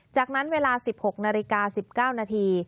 จากนั้นเวลา๑๖นาฬิกา๑๙นาที